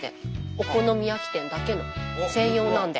お好み焼き店だけの専用なんで。